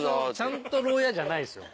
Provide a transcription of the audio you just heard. ちゃんと牢屋じゃないですよ。